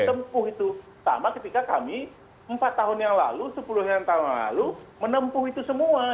pertama ketika kami empat tahun yang lalu sepuluh tahun yang lalu menempuh itu semua